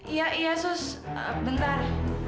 iya iya sus bentar